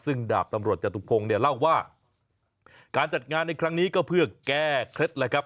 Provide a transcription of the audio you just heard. ซึ่งดาบตำรวจจตุพงศ์เนี่ยเล่าว่าการจัดงานในครั้งนี้ก็เพื่อแก้เคล็ดแล้วครับ